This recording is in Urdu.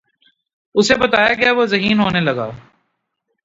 اُسے بتایا گیا وُہ ذہین ہونے لگا